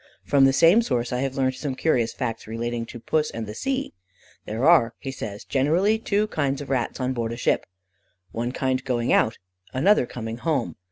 From the same source I have learnt some curious facts relating to Puss at sea. "There are," he says, "generally two kinds of rats on board a ship, one kind going out, another coming home.